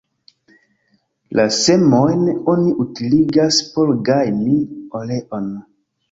La semojn oni utiligas por gajni oleon.